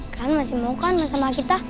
kalian masih mau kan bersama kita